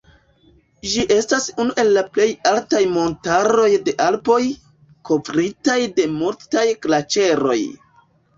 Ĝi estas unu el la plej altaj montaroj de Alpoj, kovritaj de multaj glaĉeroj.